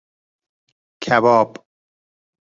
کباب